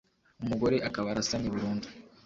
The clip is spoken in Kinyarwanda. umugore akaba arasamye burundu